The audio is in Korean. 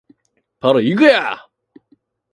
바로 이거야.